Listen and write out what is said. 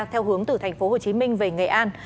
theo hướng từ tp hcm về nghệ an